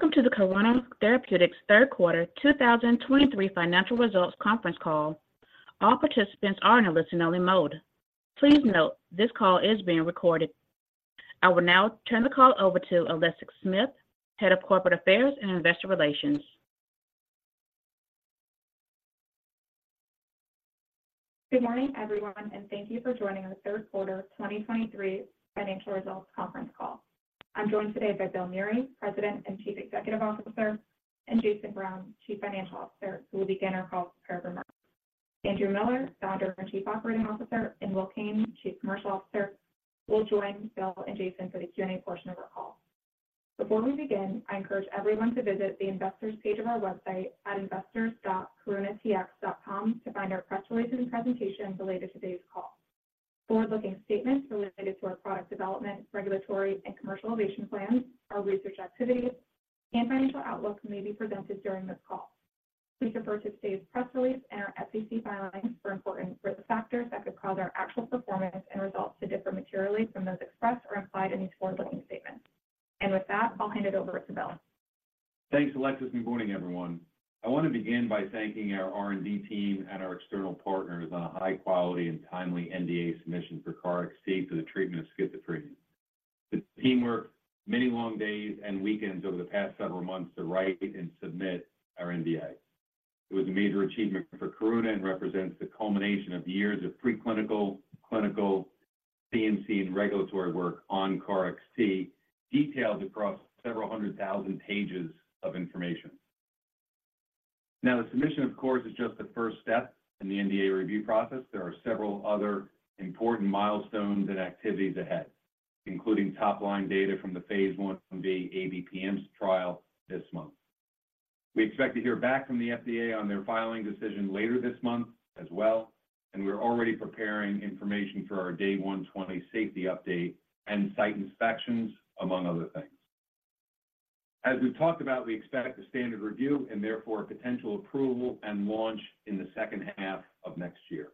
Welcome to the Karuna Therapeutics third quarter 2023 financial results conference call. All participants are in a listen-only mode. Please note this call is being recorded. I will now turn the call over to Alexis Smith, Head of Corporate Affairs and Investor Relations. Good morning, everyone, and thank you for joining the third quarter 2023 financial results conference call. I'm joined today by Bill Meury, President and Chief Executive Officer, and Jason Brown, Chief Financial Officer, who will begin our call with prepared remarks. Andrew Miller, Founder and Chief Operating Officer, and Will Kane, Chief Commercial Officer, will join Bill and Jason for the Q&A portion of our call. Before we begin, I encourage everyone to visit the investors page of our website at investors.karunatx.com to find our press release and presentation related to today's call. Forward-looking statements related to our product development, regulatory and commercialization plans, our research activities, and financial outlook may be presented during this call. Please refer to today's press release and our SEC filings for important risk factors that could cause our actual performance and results to differ materially from those expressed or implied in these forward-looking statements. With that, I'll hand it over to Bill. Thanks, Alexis, good morning, everyone. I want to begin by thanking our R&D team and our external partners on a high quality and timely NDA submission for KarXT for the treatment of schizophrenia. The teamwork, many long days and weekends over the past several months to write and submit our NDA. It was a major achievement for Karuna and represents the culmination of years of preclinical, clinical, CMC, and regulatory work on KarXT, detailed across several hundred thousand pages of information. Now, the submission, of course, is just the first step in the NDA review process. There are several other important milestones and activities ahead, including top-line data from the phase I ABPM trial this month. We expect to hear back from the FDA on their filing decision later this month as well, and we're already preparing information for our Day 120 safety update and site inspections, among other things. As we've talked about, we expect a standard review and therefore a potential approval and launch in the second half of next year.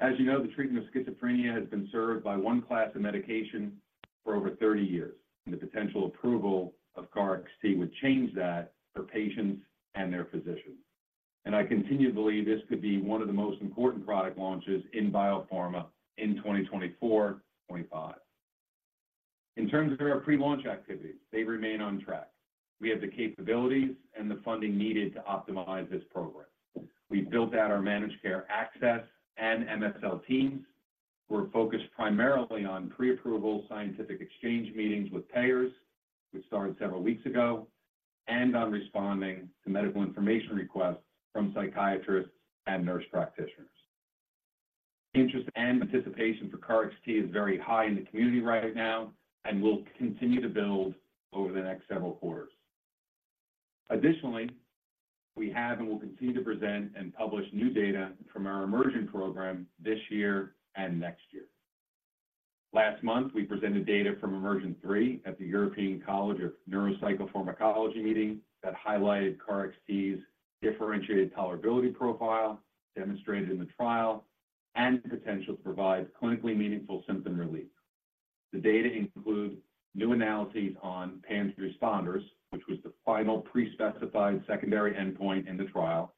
As you know, the treatment of schizophrenia has been served by one class of medication for over 30 years, and the potential approval of KarXT would change that for patients and their physicians. And I continue to believe this could be one of the most important product launches in biopharma in 2024-2025. In terms of our pre-launch activities, they remain on track. We have the capabilities and the funding needed to optimize this program. We've built out our managed care access and MSL teams, who are focused primarily on pre-approval, scientific exchange meetings with payers, which started several weeks ago, and on responding to medical information requests from psychiatrists and nurse practitioners. Interest and anticipation for KarXT is very high in the community right now and will continue to build over the next several quarters. Additionally, we have and will continue to present and publish new data from our EMERGENT program this year and next year. Last month, we presented data from EMERGENT-3 at the European College of Neuropsychopharmacology meeting that highlighted KarXT's differentiated tolerability profile, demonstrated in the trial, and potential to provide clinically meaningful symptom relief. The data include new analyses on PANSS responders, which was the final pre-specified secondary endpoint in the trial.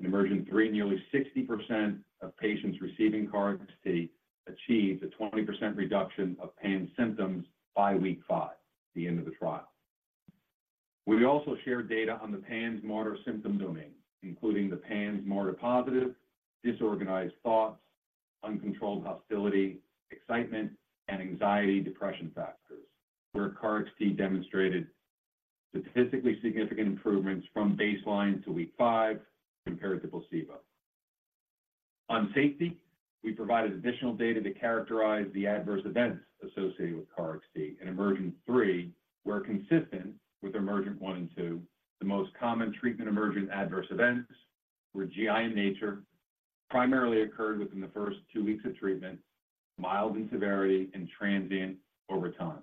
In EMERGENT-3, nearly 60% of patients receiving KarXT achieved a 20% reduction of PANSS symptoms by week five, the end of the trial. We also shared data on the PANSS motor symptom domain, including the PANSS motor positive, disorganized thoughts, uncontrolled hostility, excitement, and anxiety, depression factors, where KarXT demonstrated statistically significant improvements from baseline to week five compared to placebo. On safety, we provided additional data to characterize the adverse events associated with KarXT. In EMERGENT-3, were consistent with EMERGENT-1 and 2, the most common treatment emergent adverse events were GI in nature, primarily occurred within the first two weeks of treatment, mild in severity and transient over time.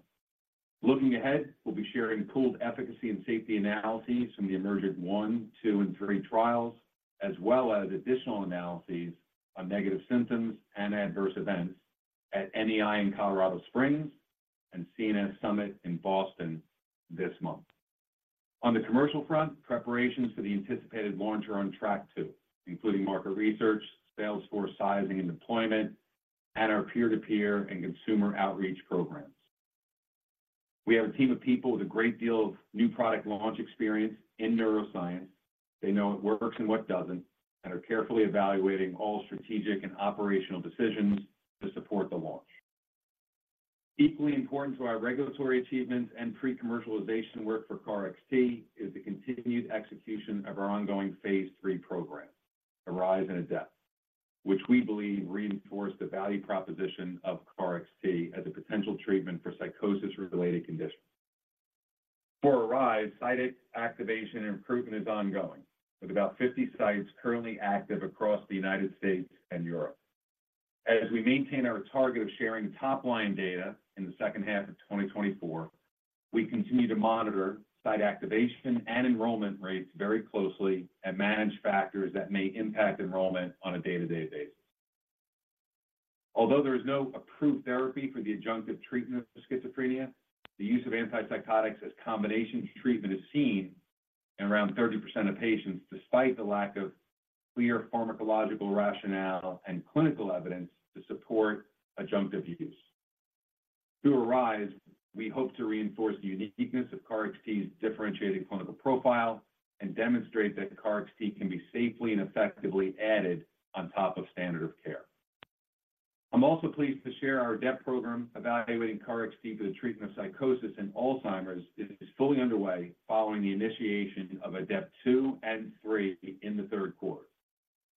Looking ahead, we'll be sharing pooled efficacy and safety analyses from the EMERGENT-1, EMERGENT-2, and EMERGENT-3 trials, as well as additional analyses on negative symptoms and adverse events at NEI in Colorado Springs and CNS Summit in Boston this month. On the commercial front, preparations for the anticipated launch are on track, too, including market research, sales force sizing and deployment, and our peer-to-peer and consumer outreach programs. We have a team of people with a great deal of new product launch experience in neuroscience. They know what works and what doesn't, and are carefully evaluating all strategic and operational decisions to support the launch. Equally important to our regulatory achievements and pre-commercialization work for KarXT is the continued execution of our ongoing phase III program, ARISE and ADEPT, which we believe reinforce the value proposition of KarXT as a potential treatment for psychosis-related conditions. For ARISE, site activation and improvement is ongoing, with about 50 sites currently active across the United States and Europe. As we maintain our target of sharing top-line data in the second half of 2024, we continue to monitor site activation and enrollment rates very closely and manage factors that may impact enrollment on a day-to-day basis. Although there is no approved therapy for the adjunctive treatment of schizophrenia, the use of antipsychotics as combination treatment is seen in around 30% of patients, despite the lack of clear pharmacological rationale and clinical evidence to support adjunctive use. Through ARISE, we hope to reinforce the uniqueness of KarXT's differentiating clinical profile and demonstrate that KarXT can be safely and effectively added on top of standard of care. I'm also pleased to share our ADEPT program evaluating KarXT for the treatment of psychosis in Alzheimer's is fully underway following the initiation of ADEPT-2 and ADEPT-3 in the third quarter.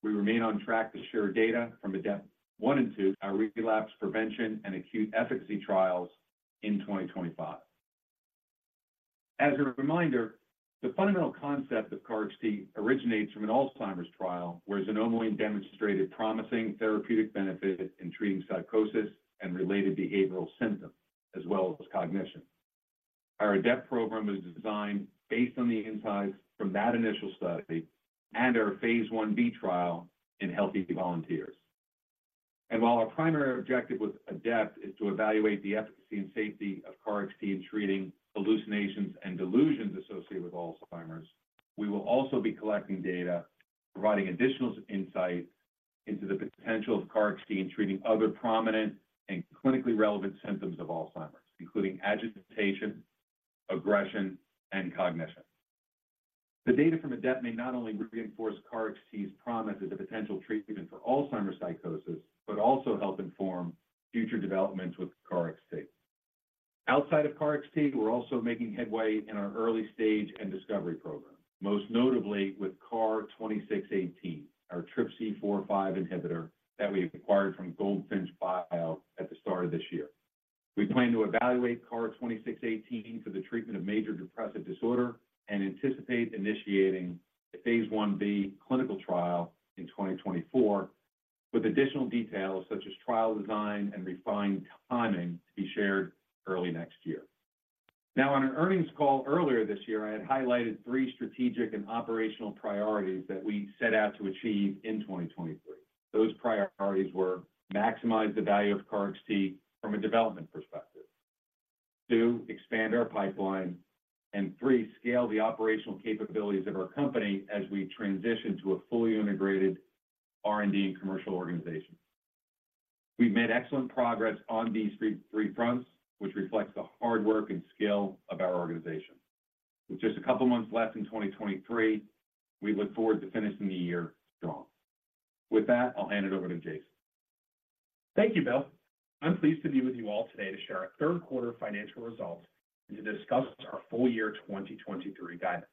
We remain on track to share data from ADEPT-1 and ADEPT-2, our relapse prevention and acute efficacy trials in 2025. As a reminder, the fundamental concept of KarXT originates from an Alzheimer's trial, where xanomeline demonstrated promising therapeutic benefit in treating psychosis and related behavioral symptoms, as well as cognition. Our ADEPT program is designed based on the insights from that initial study and our phase I-B trial in healthy volunteers. And while our primary objective with ADEPT is to evaluate the efficacy and safety of KarXT in treating hallucinations and delusions associated with Alzheimer's, we will also be collecting data, providing additional insight into the potential of KarXT in treating other prominent and clinically relevant symptoms of Alzheimer's, including agitation, aggression, and cognition. The data from ADEPT may not only reinforce KarXT's promise as a potential treatment for Alzheimer's psychosis, but also help inform future developments with KarXT. Outside of KarXT, we're also making headway in our early stage and discovery program, most notably with KAR-2618, our TRPC4/5 inhibitor that we acquired from Goldfinch Bio at the start of this year. We plan to evaluate KAR-2618 for the treatment of major depressive disorder and anticipate initiating a phase I-B clinical trial in 2024, with additional details, such as trial design and refined timing, to be shared early next year. Now, on an earnings call earlier this year, I had highlighted three strategic and operational priorities that we set out to achieve in 2023. Those priorities were: maximize the value of KarXT from a development perspective. Two, expand our pipeline, and three, scale the operational capabilities of our company as we transition to a fully integrated R&D and commercial organization. We've made excellent progress on these three, three fronts, which reflects the hard work and skill of our organization. With just a couple months left in 2023, we look forward to finishing the year strong. With that, I'll hand it over to Jason. Thank you, Bill. I'm pleased to be with you all today to share our third quarter financial results and to discuss our full year 2023 guidance.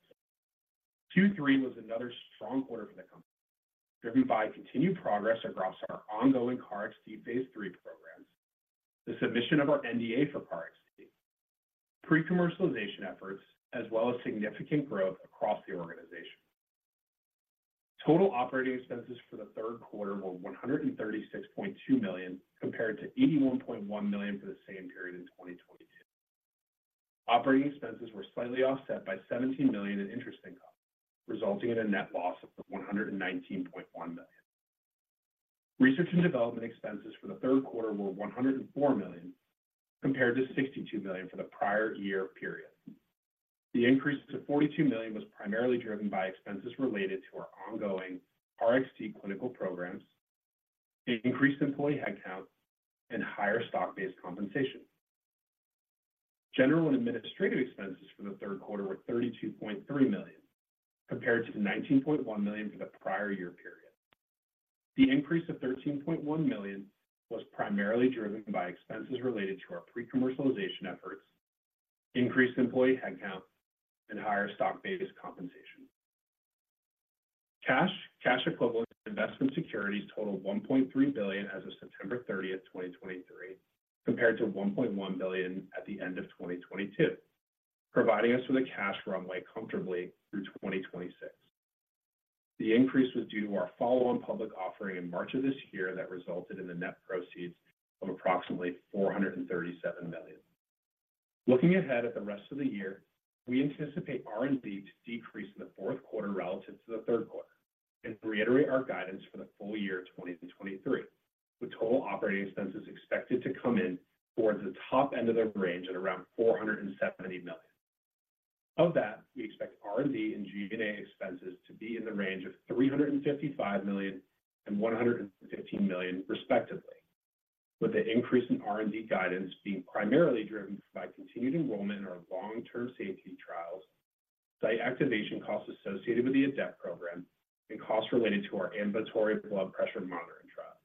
Q3 was another strong quarter for the company, driven by continued progress across our ongoing KarXT phase III programs, the submission of our NDA for KarXT, pre-commercialization efforts, as well as significant growth across the organization. Total operating expenses for the third quarter were $136.2 million, compared to $81.1 million for the same period in 2022. Operating expenses were slightly offset by $17 million in interest income, resulting in a net loss of $119.1 million. Research and development expenses for the third quarter were $104 million, compared to $62 million for the prior year period. The increase to $42 million was primarily driven by expenses related to our ongoing KarXT clinical programs, an increased employee headcount, and higher stock-based compensation. General and administrative expenses for the third quarter were $32.3 million, compared to $19.1 million for the prior year period. The increase of $13.1 million was primarily driven by expenses related to our pre-commercialization efforts, increased employee headcount, and higher stock-based compensation. Cash, cash equivalents, investment securities totaled $1.3 billion as of September 30, 2023, compared to $1.1 billion at the end of 2022, providing us with a cash runway comfortably through 2026. The increase was due to our follow-on public offering in March of this year that resulted in the net proceeds of approximately $437 million. Looking ahead at the rest of the year, we anticipate R&D to decrease in the fourth quarter relative to the third quarter and reiterate our guidance for the full year 2023, with total operating expenses expected to come in towards the top end of the range at around $470 million. Of that, we expect R&D and G&A expenses to be in the range of $355 million and $115 million respectively, with the increase in R&D guidance being primarily driven by continued enrollment in our long-term safety trials, site activation costs associated with the ADEPT program, and costs related to our ambulatory blood pressure monitoring trial.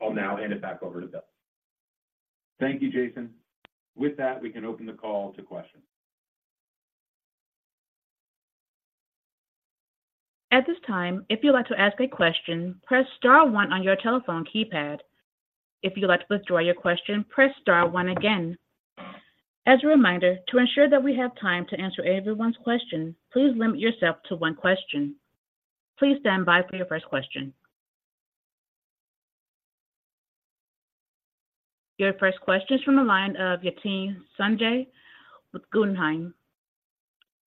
I'll now hand it back over to Bill. Thank you, Jason. With that, we can open the call to questions. At this time, if you'd like to ask a question, press star one on your telephone keypad. If you'd like to withdraw your question, press star one again. As a reminder, to ensure that we have time to answer everyone's question, please limit yourself to one question. Please stand by for your first question. Your first question is from the line of Yatin Suneja with Guggenheim.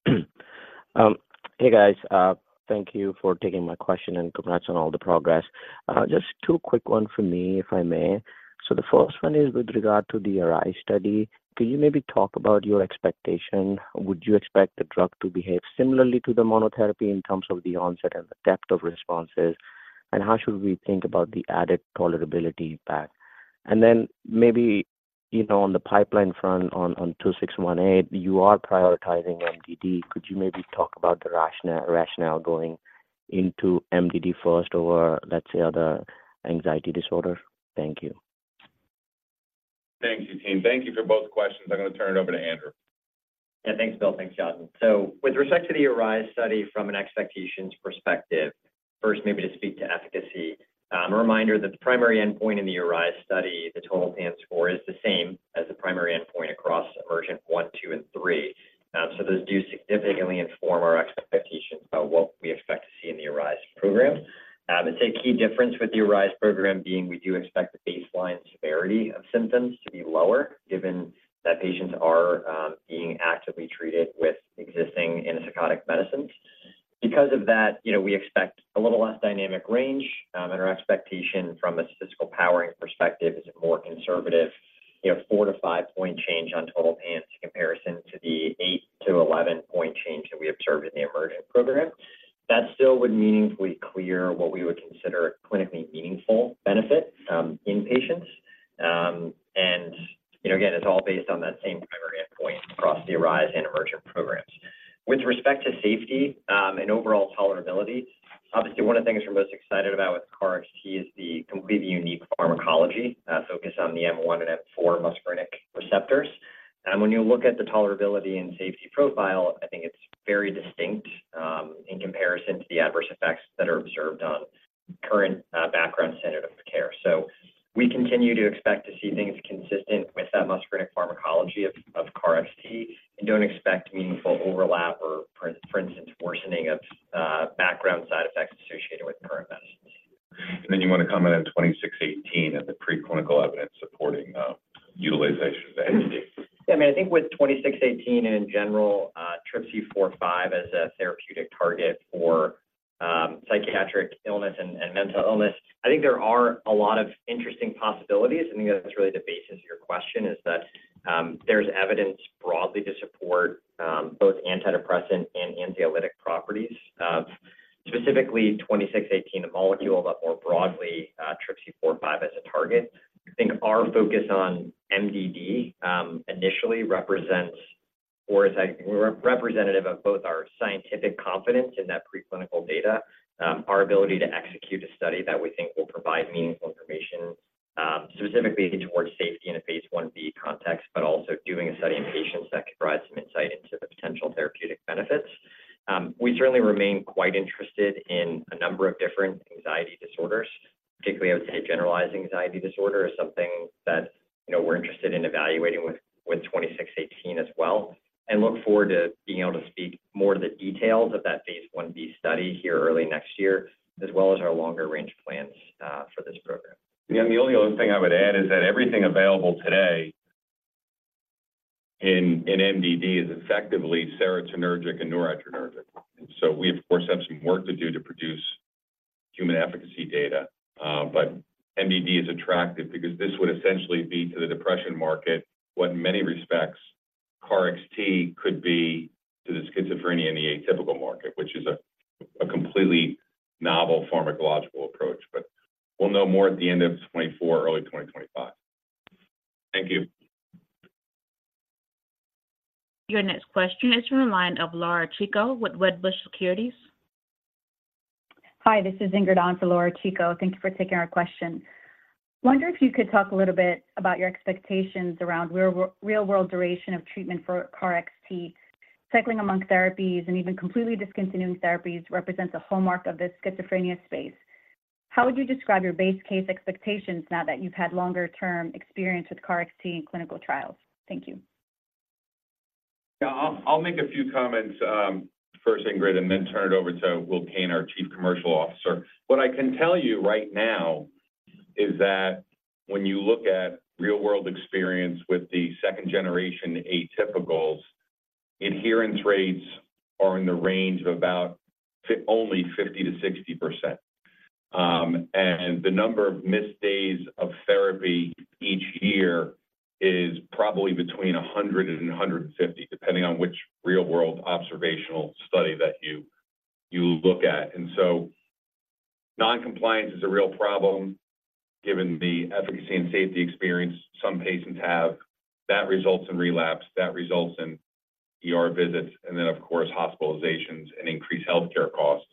Hey, guys. Thank you for taking my question, and congrats on all the progress. Just two quick ones from me, if I may. So the first one is with regard to the ARISE study. Could you maybe talk about your expectation? Would you expect the drug to behave similarly to the monotherapy in terms of the onset and the depth of responses? And how should we think about the added tolerability back? And then maybe, you know, on the pipeline front, on KAR-2618, you are prioritizing MDD. Could you maybe talk about the rationale going into MDD first over, let's say, other anxiety disorders? Thank you. Thank you, team. Thank you for both questions. I'm going to turn it over to Andrew. Yeah, thanks, Bill. Thanks, Yatin. So with respect to the ARISE study from an expectations perspective, first, maybe to speak to efficacy, a reminder that the primary endpoint in the ARISE study, the total PANSS score, is the same as the primary endpoint across EMERGENT-1, EMERGENT-2, and EMERGENT-3. So those do significantly inform our expectations about what we expect to see in the ARISE program. I'd say a key difference with the ARISE program being we do expect the baseline severity of symptoms to be lower, given that We certainly remain quite interested in a number of different anxiety disorders. Particularly, I would say, generalized anxiety disorder is something that, you know, we're interested in evaluating with KAR-2618 as well, and look forward to being able to speak more to the details of that phase I-B study here early next year, as well as our longer-range plans for this program. Yeah, and the only other thing I would add is that everything available today in MDD is effectively serotonergic and noradrenergic. And so we, of course, have some work to do to produce human efficacy data. But MDD is attractive because this would essentially be to the depression market what in many respects KarXT could be to the schizophrenia in the atypical market, which is a completely novel pharmacological approach. But we'll know more at the end of 2024, early 2025. Thank you. Your next question is from the line of Laura Chico with Wedbush Securities. Hi, this is Ingrid on for Laura Chico. Thank you for taking our question. Wonder if you could talk a little bit about your expectations around real world, real world duration of treatment for KarXT. Cycling among therapies and even completely discontinuing therapies represents a hallmark of the schizophrenia space. How would you describe your base case expectations now that you've had longer-term experience with KarXT in clinical trials? Thank you. Yeah. I'll make a few comments, first, Ingrid, and then turn it over to Will Kane, our Chief Commercial Officer. What I can tell you right now is that when you look at real-world experience with the second generation atypicals, adherence rates are in the range of about only 50%-60%. And the number of missed days of therapy each year is probably between 100 and 150, depending on which real-world observational study that you look at. And so non-compliance is a real problem, given the efficacy and safety experience some patients have. That results in relapse, that results in ER visits, and then, of course, hospitalizations and increased healthcare costs.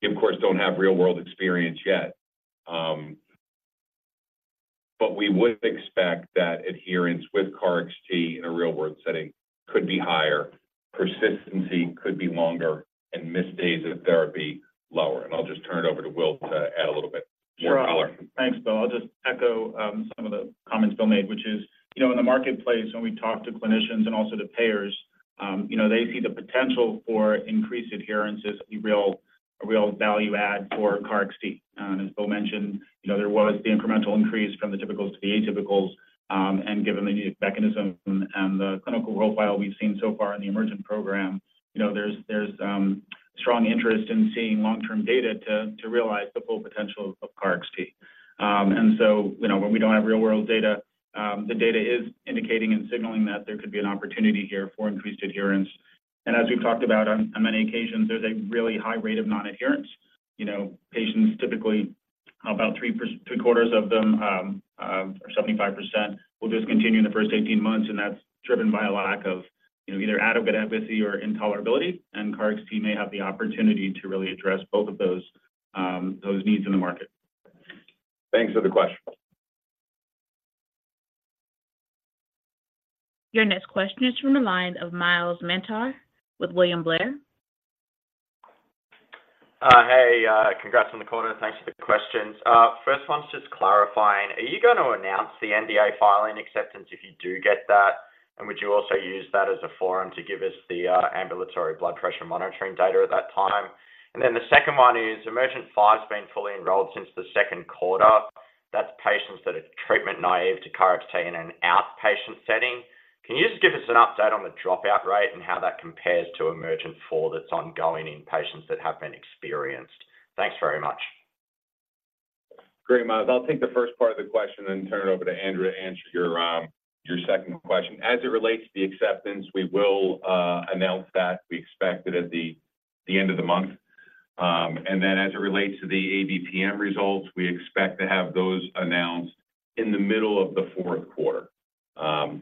We, of course, don't have real-world experience yet, but we would expect that adherence with KarXT in a real-world setting could be higher, persistency could be longer, and missed days of therapy lower. I'll just turn it over to Will to add a little bit more color. Sure. Thanks, Bill. I'll just echo some of the comments Bill made, which is, you know, in the marketplace, when we talk to clinicians and also to payers. You know, they see the potential for increased adherence as a real, a real value add for KarXT. And as Bill mentioned, you know, there was the incremental increase from the typicals to the atypicals. And given the mechanism and the clinical profile we've seen so far in the EMERGENT program, you know, there's strong interest in seeing long-term data to realize the full potential of KarXT. And so, you know, when we don't have real-world data, the data is indicating and signaling that there could be an opportunity here for increased adherence. And as we've talked about on many occasions, there's a really high rate of non-adherence. You know, patients typically, about three-quarters of them, or 75% will discontinue in the first 18 months, and that's driven by a lack of, you know, either adequate efficacy or intolerability. KarXT may have the opportunity to really address both of those, those needs in the market. Thanks for the question. Your next question is from the line of Myles Minter with William Blair. Hey, congrats on the quarter, and thanks for the questions. First one's just clarifying. Are you going to announce the NDA filing acceptance if you do get that? And would you also use that as a forum to give us the ambulatory blood pressure monitoring data at that time? And then the second one is, EMERGENT-5's been fully enrolled since the second quarter. That's patients that are treatment naive to KarXT in an outpatient setting. Can you just give us an update on the dropout rate and how that compares to EMERGENT-4 that's ongoing in patients that have been experienced? Thanks very much. Great, Myles. I'll take the first part of the question and turn it over to Andrew to answer your second question. As it relates to the acceptance, we will announce that we expect it at the end of the month. And then as it relates to the ABPM results, we expect to have those announced in the middle of the fourth quarter,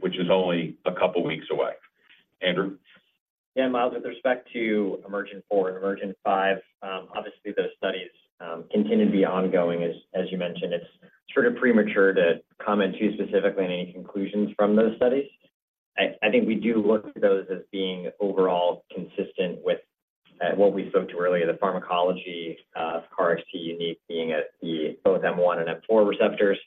which is only a couple of weeks away. Andrew? Yeah, Myles, with respect to EMERGENT-4 and EMERGENT-5, obviously, those studies continue to be ongoing. As you mentioned, it's sort of premature to comment too specifically on any conclusions from those studies. I think we do look at those as being overall consistent with what we spoke to earlier, the pharmacology of KarXT unique being at both M1 and M4 receptors.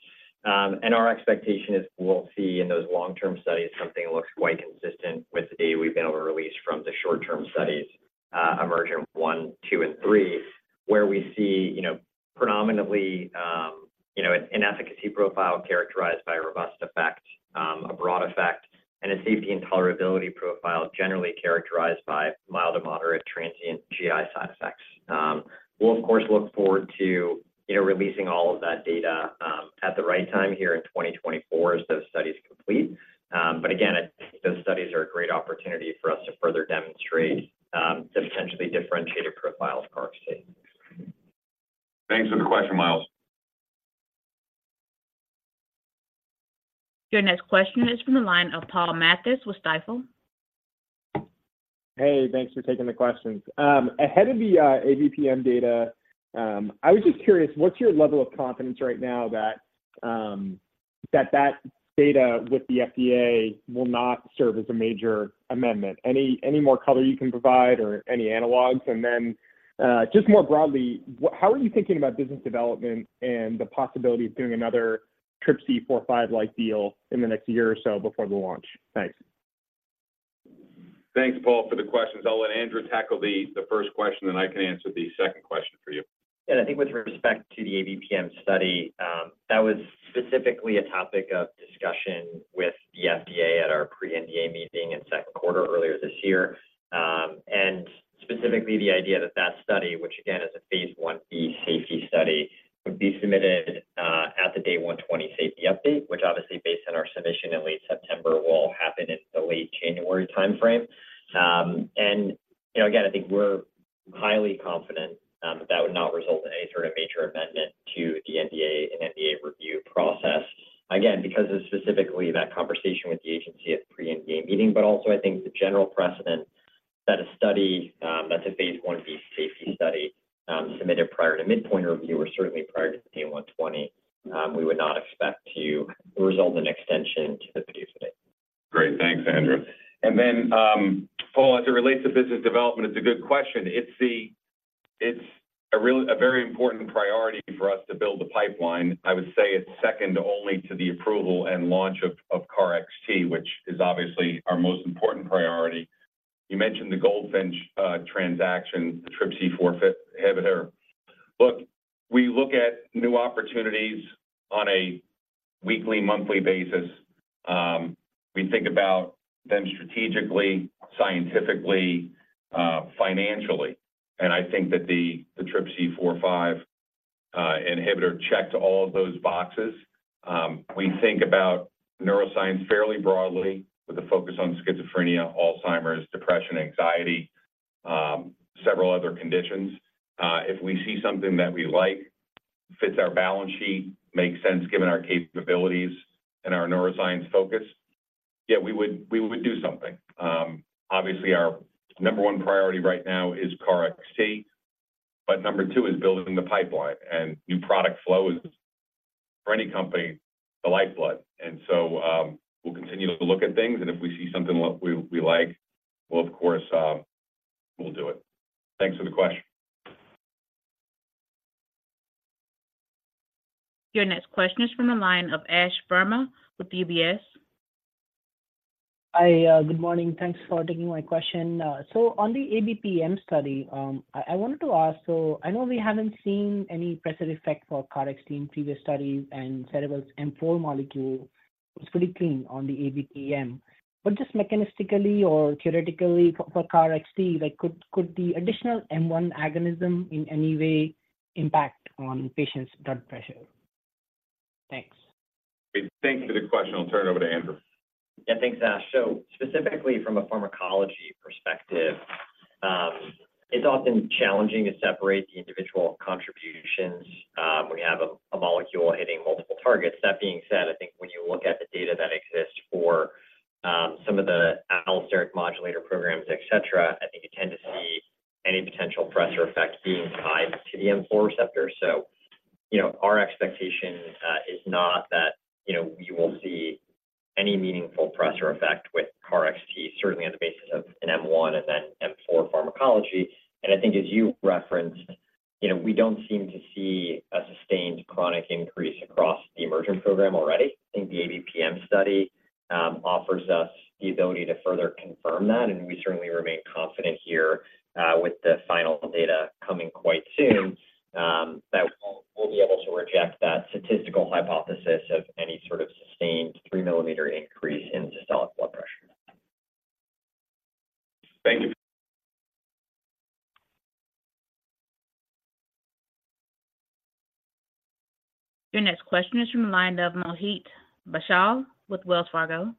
And our expectation is we'll see in those long-term studies, something that looks quite consistent with the data we've been able to release from the short-term studies, EMERGENT-1, EMERGENT-2, and EMERGENT-3, where we see, you know, predominantly, you know, an efficacy profile characterized by a robust effect, a broad effect, and a safety and tolerability profile generally characterized by mild to moderate transient GI side effects. We'll of course look forward to releasing all of that data at the right time here in 2024 as those studies complete. But again, those studies are a great opportunity for us to further demonstrate the potentially differentiated profile of KarXT. Thanks for the question, Myles. Your next question is from the line of Paul Matteis with Stifel. Hey, thanks for taking the questions. Ahead of the ABPM data, I was just curious, what's your level of confidence right now that that data with the FDA will not serve as a major amendment? Any more color you can provide or any analogs? And then, just more broadly, how are you thinking about business development and the possibility of doing another TRPC4/5 like deal in the next year or so before the launch? Thanks. Thanks, Paul, for the questions. I'll let Andrew tackle the first question, then I can answer the second question for you. Yeah, I think with respect to the ABPM study, that was specifically a topic of discussion with the FDA at our pre-NDA meeting in second quarter earlier this year. Specifically the idea that that study, which again, is a phase I-B safety study, would be submitted at the day 120 safety update, which obviously, based on our submission in late September, will happen in the late January timeframe. You know, again, I think we're highly confident that would not result in any sort of major amendment to the NDA and NDA review process. Again, because of specifically that conversation with the agency at the pre-NDA meeting, but also I think the general precedent that a study that's a phase I-B safety study submitted prior to midpoint review or certainly prior to the 120, we would not expect to result in extension to the review date. Great. Thanks, Andrew. And then, Paul, as it relates to business development, it's a good question. It's really a very important priority for us to build a pipeline. I would say it's second only to the approval and launch of KarXT, which is obviously our most important priority. You mentioned the Goldfinch transaction, the TRPC4/5 inhibitor. Look, we look at new opportunities on a weekly, monthly basis. We think about them strategically, scientifically, financially, and I think that the TRPC4/5 inhibitor checked all of those boxes. We think about neuroscience fairly broadly, with a focus on schizophrenia, Alzheimer's, depression, anxiety, several other conditions. If we see something that we like, fits our balance sheet, makes sense given our capabilities and our neuroscience focus, yeah, we would do something. Obviously, our number one priority right now is KarXT, but number two is building the pipeline, and new product flow is, for any company, the lifeblood. And so, we'll continue to look at things, and if we see something we, we like, we'll of course, we'll do it. Thanks for the question. Your next question is from the line of Ash Verma with UBS. Hi, good morning. Thanks for taking my question. So on the ABPM study, I wanted to ask, so I know we haven't seen any pressure effect for KarXT in previous studies, and Cerevel's M4 molecule was pretty clean on the ABPM. But just mechanistically or theoretically for KarXT, like, could the additional M1 agonism in any way impact on patients' blood pressure? Thanks. Thanks for the question. I'll turn it over to Andrew. Yeah, thanks, Ash. So specifically from a pharmacology perspective, it's often challenging to separate the individual contributions, when you have a, a molecule hitting multiple targets. That being said, I think when you look at the data that exists for, some of the allosteric modulator programs, et cetera, I think you tend to see any potential pressure effect being tied to the M4 receptor. So, you know, our expectation, is not that, you know, we will see any meaningful pressure effect with KarXT, certainly on the basis of an M1 and then M4 pharmacology. And I think as you referenced, you know, we don't seem to see a sustained chronic increase across the EMERGENT program already. I think the ABPM study offers us the ability to further confirm that, and we certainly remain confident here with the final data coming quite soon that we'll be able to reject that statistical hypothesis of any sort of sustained 3-millimeter increase in systolic blood pressure. Thank you. Your next question is from the line of Mohit Bansal with Wells Fargo.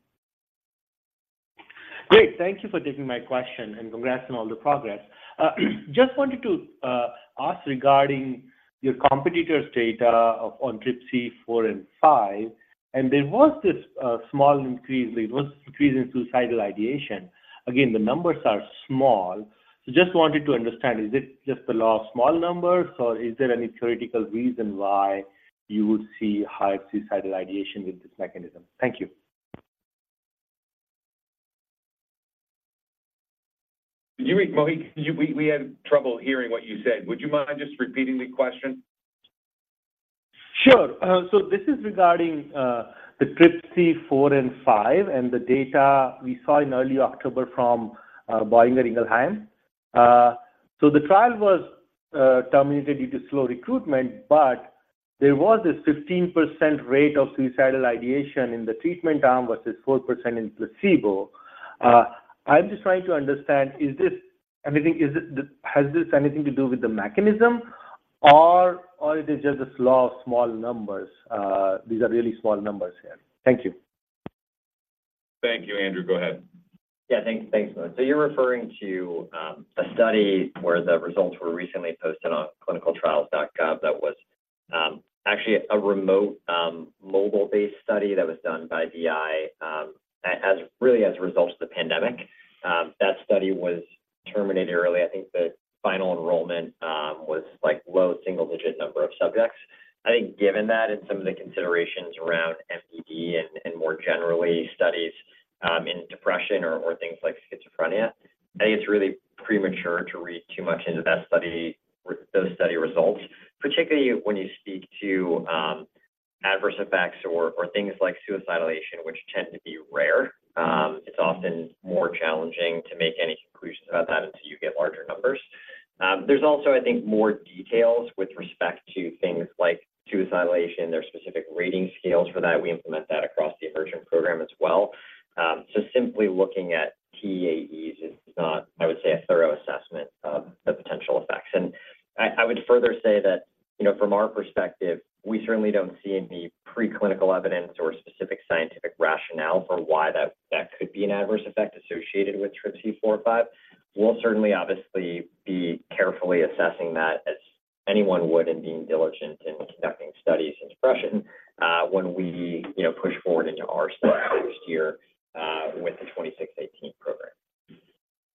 Great. Thank you for taking my question, and congrats on all the progress. Just wanted to ask regarding your competitor's data on TRPC4/5, and there was this small increase. There was increase in suicidal ideation. Again, the numbers are small, so just wanted to understand, is this just the law of small numbers, or is there any theoretical reason why you would see higher suicidal ideation with this mechanism? Thank you. Did you mean, Mohit? We had trouble hearing what you said. Would you mind just repeating the question? Sure. So this is regarding the TRPC4/5 and the data we saw in early October from Boehringer Ingelheim. So the trial was terminated due to slow recruitment, but there was this 15% rate of suicidal ideation in the treatment arm versus 4% in placebo. I'm just trying to understand, is this anything. Is it the, has this anything to do with the mechanism or, or it is just this law of small numbers? These are really small numbers here. Thank you. Thank you. Andrew, go ahead. Yeah, thanks. Thanks, Mohit. So you're referring to a study where the results were recently posted on ClinicalTrials.gov. That was actually a remote mobile-based study that was done by BI as really as a result of the pandemic. That study was terminated early. I think the final enrollment was like low single-digit number of subjects. I think given that and some of the considerations around MDD and more generally studies in depression or things like schizophrenia, I think it's really premature to read too much into that study or those study results, particularly when you speak to adverse effects or things like suicidal ideation, which tend to be rare. It's often more challenging to make any conclusions about that until you get larger numbers. There's also, I think, more details with respect to things like suicidal ideation. There are specific rating scales for that. We implement that across the EMERGENT program as well. So simply looking at TEAEs is not, I would say, a thorough assessment of the potential effects. And I would further say that, you know, from our perspective, we certainly don't see any preclinical evidence or specific scientific rationale for why that could be an adverse effect associated with TRPC4/5. We'll certainly obviously be carefully assessing that, as anyone would, in being diligent in conducting studies in depression, when we, you know, push forward into our studies here with the KAR-2618 program.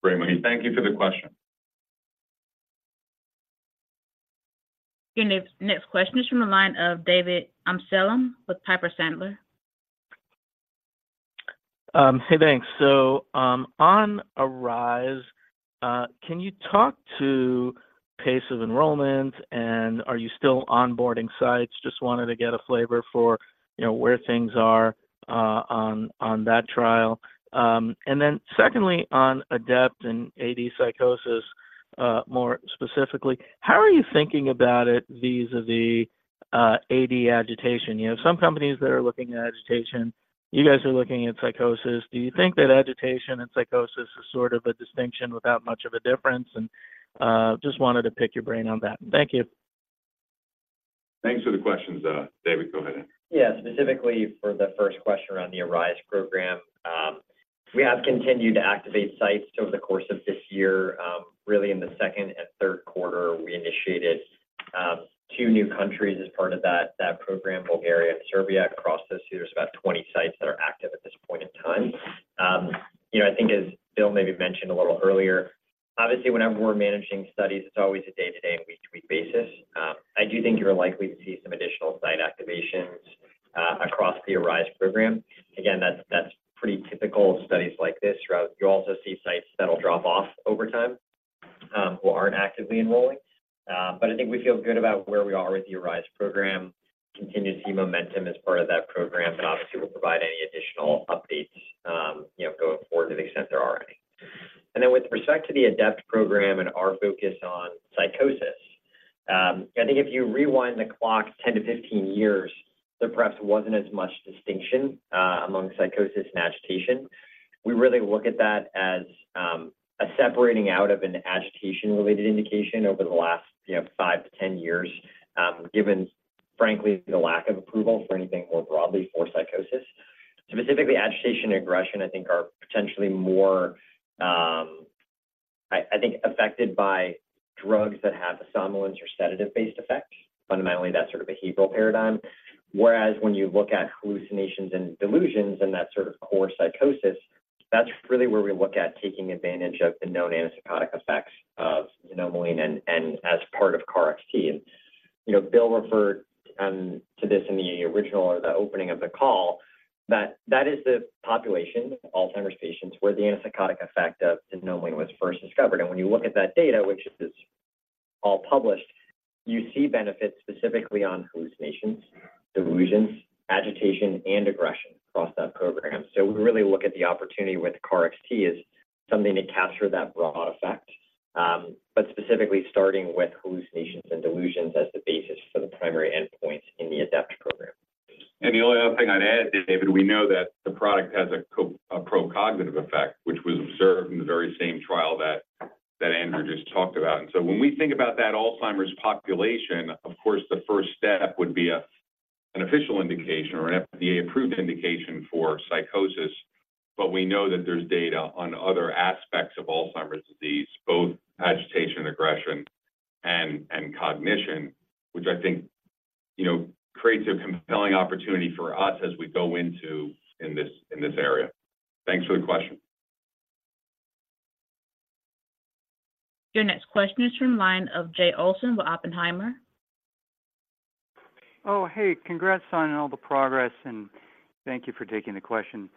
Great, Mohit. Thank you for the question. Your next question is from the line of David Amsellem with Piper Sandler. Hey, thanks. So, on ARISE, can you talk to pace of enrollment, and are you still onboarding sites? Just wanted to get a flavor for, you know, where things are, on that trial. And then secondly, on ADEPT and AD psychosis, more specifically, how are you thinking about it vis-à-vis, AD agitation? You know, some companies that are looking at agitation, you guys are looking at psychosis. Do you think that agitation and psychosis is sort of a distinction without much of a difference? And, just wanted to pick your brain on that. Thank you. Thanks for the questions, David. Go ahead, Andrew. Yeah, specifically for the first question around the ARISE program, we have continued to activate sites over the course of this year. Really, in the second and third quarter, we initiated two new countries as part of that, that program, Bulgaria and Serbia. Across those two, there's about 20 sites that are active at this point in time. You know, I think as Bill maybe mentioned a little earlier, obviously, whenever we're managing studies, it's always a day-to-day and week-to-week basis. I do think you're likely to see some additional site activations across the ARISE program. Again, that's, that's pretty typical of studies like this, right? You also see sites that'll drop off over time who aren't actively enrolling. But I think we feel good about where we are with the ARISE program, continue to see momentum as part of that program, and obviously, we'll provide any additional updates, you know, going forward to the extent there are any. Then with respect to the ADEPT program and our focus on psychosis, I think if you rewind the clock 10 years-15 years, there perhaps wasn't as much distinction among psychosis and agitation. We really look at that as a separating out of an agitation-related indication over the last, you know, five to 10 years, given, frankly, the lack of approval for anything more broadly for psychosis. Specifically, agitation, aggression, I think, are potentially more, I think, affected by drugs that have a somnolence or sedative-based effect, fundamentally, that sort of behavioral paradigm. Whereas when you look at hallucinations and delusions and that sort of core psychosis, that's really where we look at taking advantage of the known antipsychotic effects of xanomeline and as part of KarXT. You know, Bill referred to this in the original or the opening of the call, that that is the population, Alzheimer's patients, where the antipsychotic effect of xanomeline was first discovered. And when you look at that data, which is all published, you see benefits specifically on hallucinations, delusions, agitation, and aggression across that program. So we really look at the opportunity with KarXT as something to capture that broad effect, but specifically starting with hallucinations and delusions as the basis for the primary endpoint in the ADEPT program. The only other thing I'd add, David, we know that the product has a pro-cognitive effect, which was observed in the very same trial that Andrew just talked about. So when we think about that Alzheimer's population, of course, the first step would be an official indication or an FDA-approved indication for psychosis, but we know that there's data on other aspects of Alzheimer's disease, both agitation, aggression, and cognition, which I think, you know, creates a compelling opportunity for us as we go into this area. Thanks for the question. Your next question is from line of Jay Olson with Oppenheimer. Oh, hey, congrats on all the progress, and thank you for taking the question.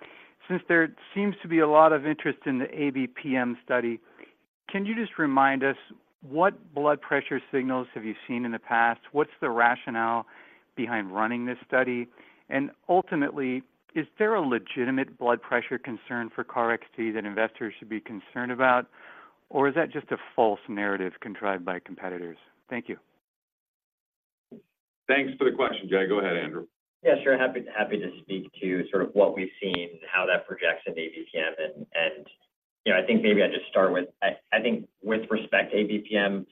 Since there seems to be a lot of interest in the ABPM study, can you just remind us what blood pressure signals have you seen in the past? What's the rationale behind running this study? And ultimately, is there a legitimate blood pressure concern for KarXT that investors should be concerned about, or is that just a false narrative contrived by competitors? Thank you. Thanks for the question, Jay. Go ahead, Andrew. Yeah, sure. Happy to speak to sort of what we've seen and how that projects in ABPM. And you know, I think maybe I'd just start with, I think with respect to ABPM,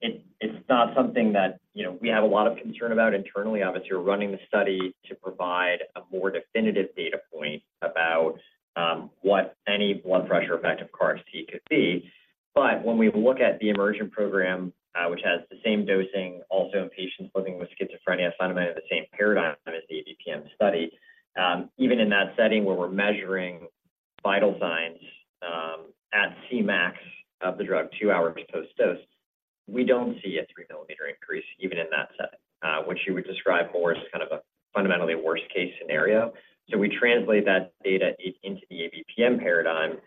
it's not something that, you know, we have a lot of concern about internally. Obviously, we're running the study to provide a more definitive data point about what any blood pressure effect of KarXT could be. But when we look at the EMERGENT program, which has the same dosing, also in patients living with schizophrenia, fundamentally the same paradigm as the ABPM study, even in that setting where we're measuring vital signs at Cmax of the drug, two hours post-dose, we don't see a 3-millimeter increase, even in that setting, which you would describe more as kind of a fundamentally worst-case scenario. So we translate that data into the ABPM paradigm.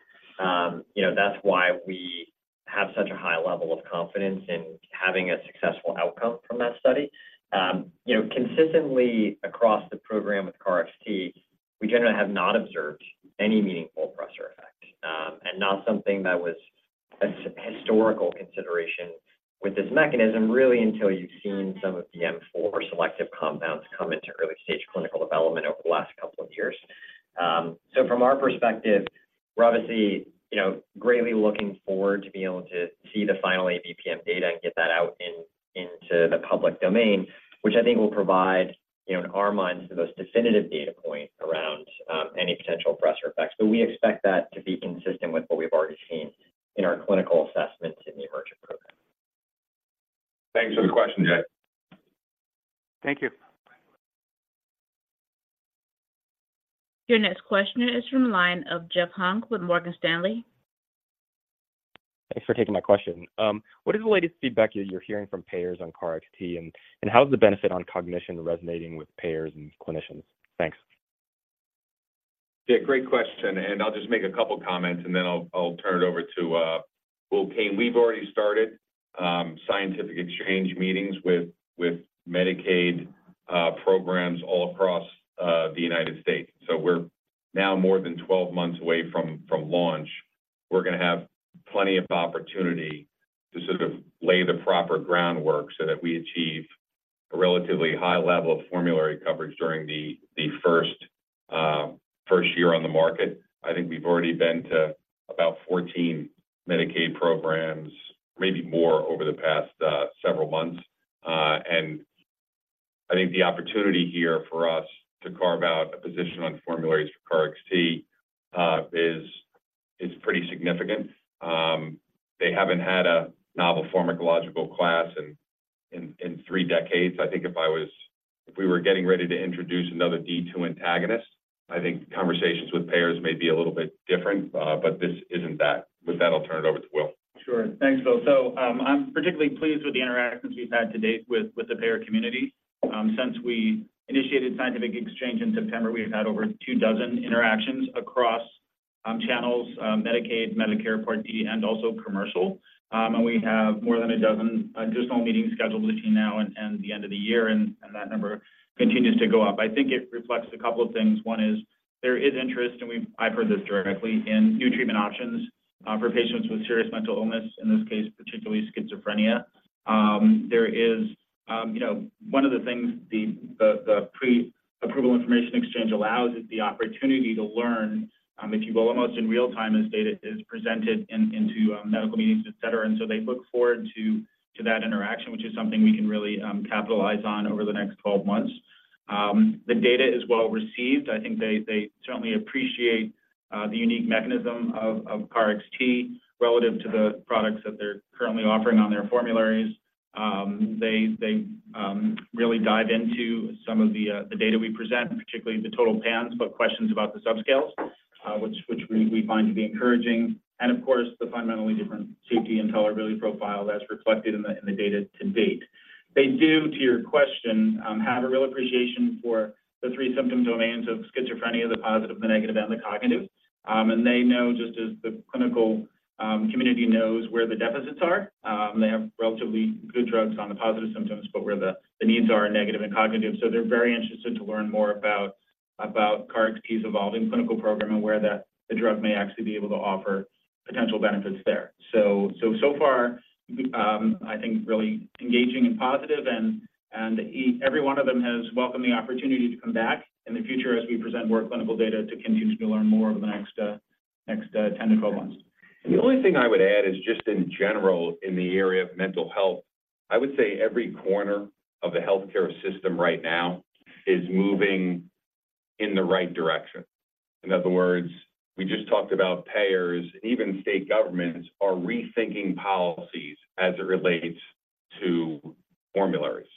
You know, that's why we have such a high level of confidence in having a successful outcome from that study. You know, consistently across the program with KarXT, we generally have not observed any meaningful pressure effect, and not something that was a sort of historical consideration with this mechanism, really, until you've seen some of the M4 selective compounds come into early-stage clinical development over the last couple of years. So from our perspective, we're obviously, you know, greatly looking forward to being able to see the final ABPM data and get that out into the public domain, which I think will provide, you know, in our minds, the most definitive data point around any potential pressure effects. But we expect that to be consistent with what we've already seen in our clinical assessments in the EMERGENT program. Thanks for the question, Jay. Thank you. Your next question is from the line of Jeff Hung with Morgan Stanley. Thanks for taking my question. What is the latest feedback you're hearing from payers on KarXT, and how is the benefit on cognition resonating with payers and clinicians? Thanks. Yeah, great question, and I'll just make a couple of comments, and then I'll, I'll turn it over to Will Kane. We've already started scientific exchange meetings with, with Medicaid programs all across the United States. So we're now more than 12 months away from, from launch. We're going to have plenty of opportunity to sort of lay the proper groundwork so that we achieve a relatively high level of formulary coverage during the, the first, first year on the market. I think we've already been to about 14 Medicaid programs, maybe more over the past several months. And I think the opportunity here for us to carve out a position on formularies for KarXT is, is pretty significant. They haven't had a novel pharmacological class in, in, in three decades. I think if we were getting ready to introduce another D2 antagonist, I think conversations with payers may be a little bit different, but this isn't that. With that, I'll turn it over to Will. Sure. Thanks, Bill. So, I'm particularly pleased with the interactions we've had to date with the payer community. Since we initiated scientific exchange in September, we've had over 24 interactions across channels, Medicaid, Medicare Part D, and also commercial. And we have more than 12 additional meetings scheduled between now and the end of the year, and that number continues to go up. I think it reflects a couple of things. One is there is interest, and I've heard this directly, in new treatment options for patients with serious mental illness, in this case, particularly schizophrenia. There is, you know, one of the things the Pre-Approval Information Exchange allows is the opportunity to learn, if you will, almost in real time, as data is presented into medical meetings, et cetera. So they look forward to that interaction, which is something we can really capitalize on over the next 12 months. The data is well received. I think they certainly appreciate the unique mechanism of KarXT relative to the products that they're currently offering on their formularies. They really dive into some of the data we present, particularly the total PANSS, but questions about the subscales, which we find to be encouraging. Of course, the fundamentally different safety and tolerability profile that's reflected in the data to date. They do, to your question, have a real appreciation for the three symptom domains of schizophrenia, the positive, the negative, and the cognitive. They know, just as the clinical community knows where the deficits are. They have relatively good drugs on the positive symptoms, but where the needs are in negative and cognitive. So they're very interested to learn more about KarXT's evolving clinical program and where the drug may actually be able to offer potential benefits there. So far, I think really engaging and positive, and every one of them has welcomed the opportunity to come back in the future as we present more clinical data to continue to learn more over the next 10 months-12 months. The only thing I would add is just in general, in the area of mental health, I would say every corner of the healthcare system right now is moving in the right direction. In other words, we just talked about payers and even state governments are rethinking policies as it relates to formularies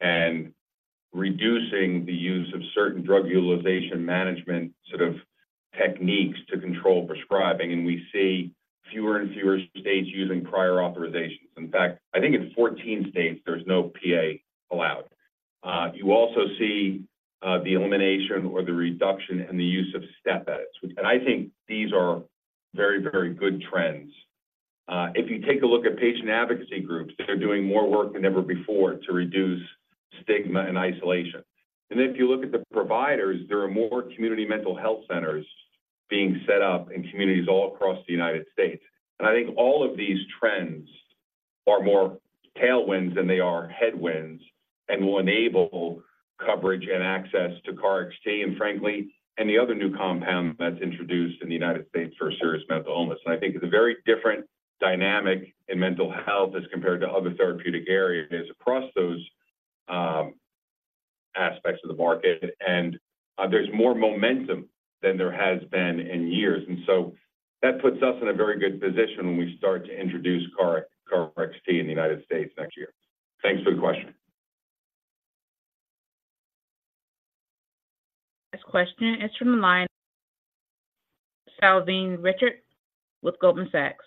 and reducing the use of certain drug utilization management sort of techniques to control prescribing, and we see fewer and fewer states using prior authorizations. In fact, I think in 14 states there's no PA allowed. You also see the elimination or the reduction in the use of step edits, which. And I think these are very, very good trends. If you take a look at patient advocacy groups, they're doing more work than ever before to reduce stigma and isolation. If you look at the providers, there are more community mental health centers being set up in communities all across the United States. I think all of these trends are more tailwinds than they are headwinds and will enable coverage and access to KarXT, and frankly, any other new compound that's introduced in the United States for serious mental illness. I think it's a very different dynamic in mental health as compared to other therapeutic areas across those aspects of the market. There's more momentum than there has been in years. So that puts us in a very good position when we start to introduce KarXT in the United States next year. Thanks for the question. Next question is from the line, Salveen Richter with Goldman Sachs.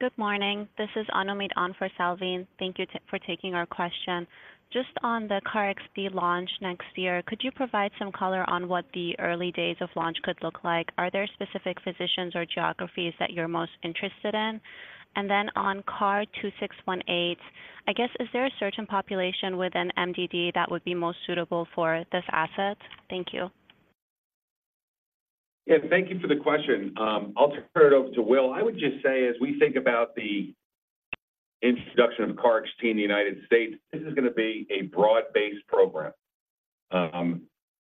Good morning. This is Anomit on for Salveen. Thank you for taking our question. Just on the KarXT launch next year, could you provide some color on what the early days of launch could look like? Are there specific physicians or geographies that you're most interested in? And then on KAR-2618, I guess, is there a certain population within MDD that would be most suitable for this asset? Thank you. Yeah, thank you for the question. I'll turn it over to Will. I would just say, as we think about the introduction of KarXT in the United States, this is gonna be a broad-based program.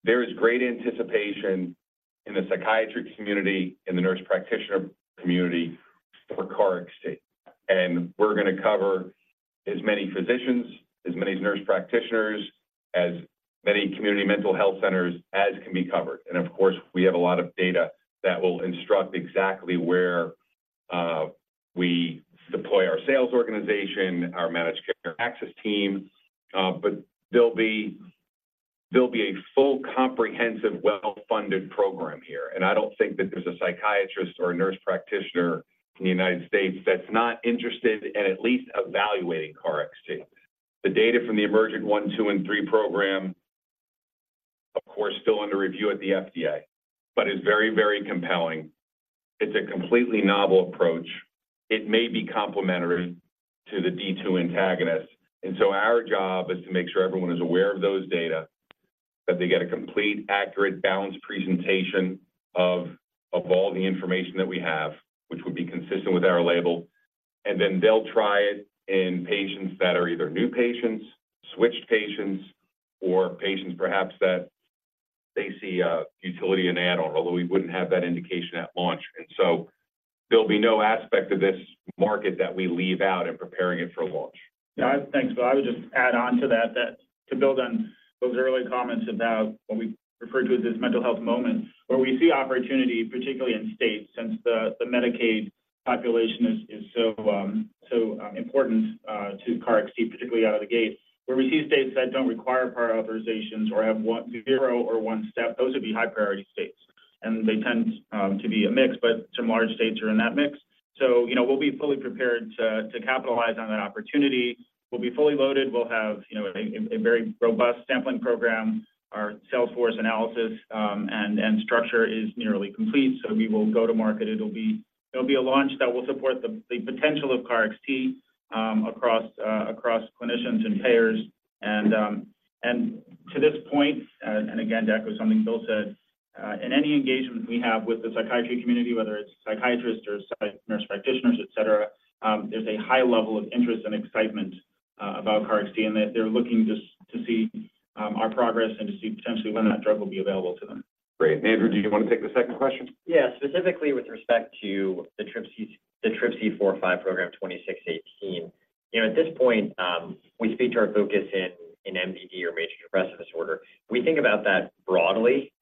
There is great anticipation in the psychiatry community, in the nurse practitioner community for KarXT, and we're gonna cover as many physicians, as many nurse practitioners, as many community mental health centers as can be covered. And of course, we have a lot of data that will instruct exactly where we deploy our sales organization, our managed care access team. But there'll be, there'll be a full, comprehensive, well-funded program here, and I don't think that there's a psychiatrist or a nurse practitioner in the United States that's not interested in at least evaluating KarXT. The data from the EMERGENT-1, EMERGENT-2, and EMERGENT-3 program, of course, still under review at the FDA, but is very, very compelling. It's a completely novel approach. It may be complementary to the D2 antagonist, and so our job is to make sure everyone is aware of those data, that they get a complete, accurate, balanced presentation of of all the information that we have, which would be consistent with our label. And then they'll try it in patients that are either new patients, switched patients, or patients perhaps that they see a utility in add-on, although we wouldn't have that indication at launch. And so there'll be no aspect of this market that we leave out in preparing it for a launch. Yeah, thanks. So I would just add on to that, that to build on those early comments about what we referred to as this mental health moment, where we see opportunity, particularly in states, since the, the Medicaid population is, is so, so important to KarXT, particularly out of the gate. Where we see states that don't require prior authorizations or have one to zero or one step, those would be high-priority states, and they tend to be a mix, but some large states are in that mix.. So, you know, we'll be fully prepared to capitalize on that opportunity. We'll be fully loaded. We'll have, you know, a very robust sampling program. Our sales force analysis and structure is nearly complete, so we will go to market. It'll be a launch that will support the potential of KarXT across clinicians and payers. And to this point, and again, to echo something Bill said, in any engagement we have with the psychiatry community, whether it's psychiatrists or psych nurse practitioners, et cetera, there's a high level of interest and excitement about KarXT and that they're looking just to see our progress and to see potentially when that drug will be available to them. Great. Andrew, do you want to take the second question? Yeah. Specifically with respect to the TRPC4/5 program KAR-2618. You know, at this point, we speak to our focus in MDD or major depressive disorder. We think about that broadly,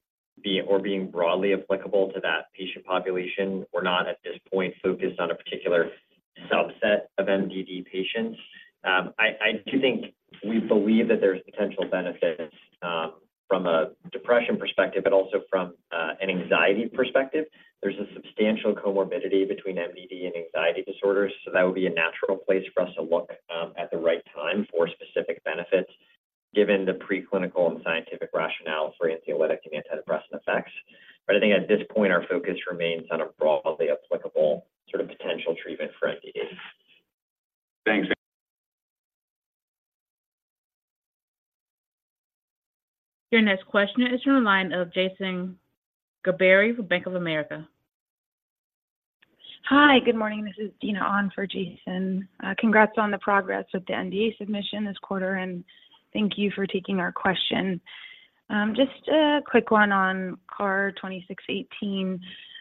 or being broadly applicable to that patient population. We're not, at this point, focused on a particular subset of MDD patients. I do think we believe that there's potential benefits from a depression perspective, but also from an anxiety perspective. There's a substantial comorbidity between MDD and anxiety disorders, so that would be a natural place for us to look at the right time for specific benefits, given the preclinical and scientific rationale for anxiolytic and antidepressant effects. But I think at this point, our focus remains on a broadly applicable sort of potential treatment for MDD. Thanks. Your next question is from the line of Jason Gerberry with Bank of America. Hi, good morning. This is Dina on for Jason. Congrats on the progress with the NDA submission this quarter, and thank you for taking our question. Just a quick one on KAR-2618.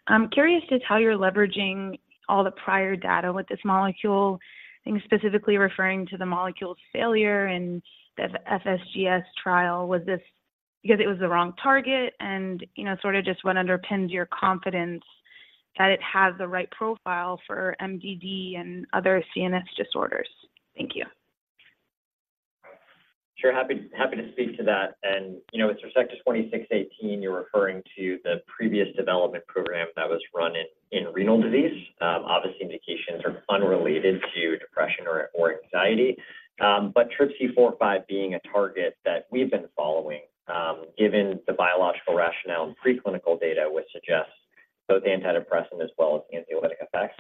I'm curious as to how you're leveraging all the prior data with this molecule. I think specifically referring to the molecule's failure and the FSGS trial. Was this because it was the wrong target? And, you know, sort of just what underpins your confidence that it has the right profile for MDD and other CNS disorders. Thank you. Sure. Happy, happy to speak to that. And, you know, with respect to KAR-2618, you're referring to the previous development program that was run in renal disease. Obviously, indications are unrelated to depression or anxiety. But TRPC4/5 being a target that we've been following, given the biological rationale and preclinical data, which suggests both antidepressant as well as anxiolytic effects.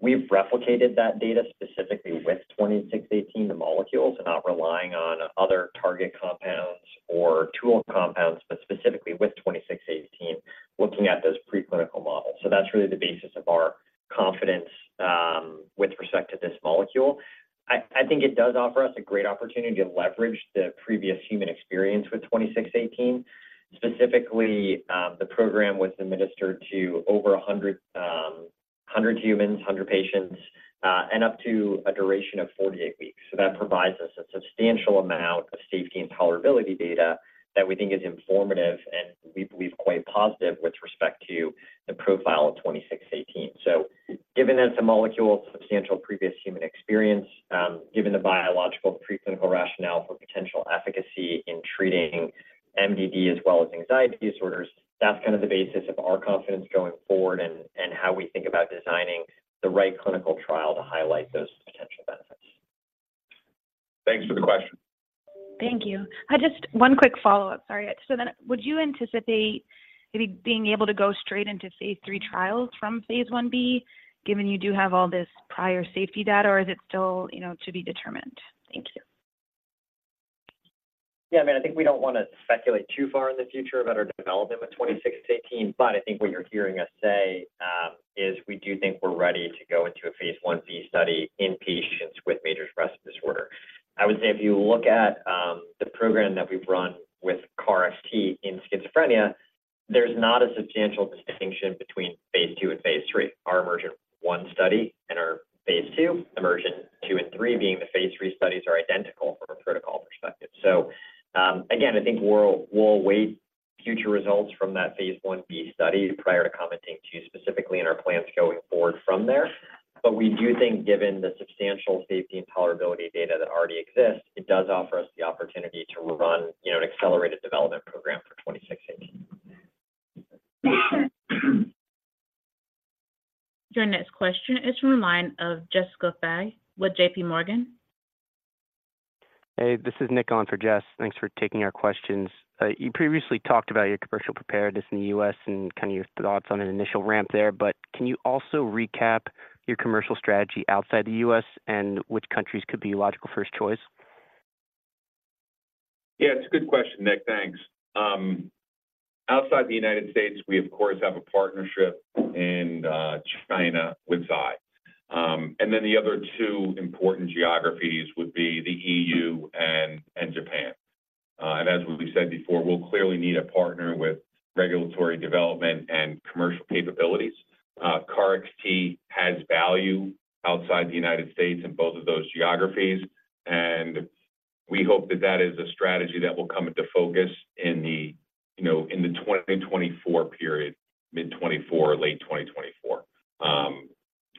We've replicated that data specifically with KAR-2618, the molecules, and not relying on other target compounds or tool compounds, but specifically with KAR-2618, looking at those preclinical models. So that's really the basis of our confidence with respect to this molecule. I think it does offer us a great opportunity to leverage the previous human experience with KAR-2618. Specifically, the program was administered to over 100 humans and 100 patients and up to a duration of 48 weeks. So that provides us a substantial amount of safety and tolerability data that we think is informative and we believe quite positive with respect to the profile of KAR-2618. So given that it's a molecule, substantial previous human experience, given the biological preclinical rationale for potential efficacy in treating MDD as well as anxiety disorders, that's kind of the basis of our confidence going forward and how we think about designing the right clinical trial to highlight those potential benefits. Thanks for the question. Thank you. Just one quick follow-up. Sorry. So then would you anticipate maybe being able to go straight into phase III trials from phase Ib, given you do have all this prior safety data, or is it still, you know, to be determined? Thank you. Yeah, I mean, I think we don't want to speculate too far in the future about our development with KAR-2618, but I think what you're hearing us say is we do think we're ready to go into a phase I-B study in patients with major depressive disorder. I would say if you look at the program that we've run with KarXT in schizophrenia, there's not a substantial distinction between phase II and phase III. Our EMERGENT-1 study and our phase II, EMERGENT-2 and EMERGENT-3 being the phase III studies are identical from a protocol perspective. So, again, I think we'll await future results from that phase I-B study prior to commenting too specifically on our plans going forward from there. But we do think given the substantial safety and tolerability data that already exists, it does offer us the opportunity to run, you know, an accelerated development program for KAR-2618. Your next question is from the line of Jessica Fye with JPMorgan. Hey, this is Nick on for Jess. Thanks for taking our questions. You previously talked about your commercial preparedness in the U.S. and kind of your thoughts on an initial ramp there, but can you also recap your commercial strategy outside the U.S. and which countries could be a logical first choice? Yeah, it's a good question, Nick. Thanks. Outside the United States, we of course have a partnership in China with Zai. And then the other two important geographies would be the EU and, and Japan. And as we've said before, we'll clearly need a partner with regulatory development and commercial capabilities. KarXT has value outside the United States in both of those geographies, and we hope that that is a strategy that will come into focus in the, you know, in the 2024 period, mid-2024, late 2024.